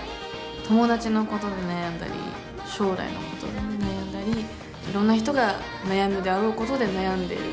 友達のことで悩んだり将来のことで悩んだりいろんな人が悩むであろうことで悩んでいる。